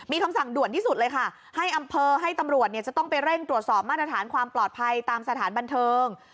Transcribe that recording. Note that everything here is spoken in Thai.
มีคำสั่งด่วนที่สุดเลยค่ะให้อำเภอให้ตำรวจจะต้องไปเร่งตรวจสอบมาตรฐานความปลอดภัยตามสถานบันเทิง